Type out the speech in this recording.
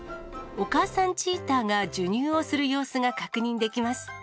お母さんチーターが授乳をする様子が確認できます。